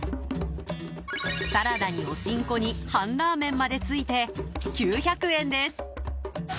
サラダにお新香に半ラーメンまでついて９００円です。